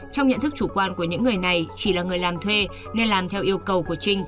trong nhận thức chủ quan của những người này chỉ là người làm thuê nên làm theo yêu cầu của trinh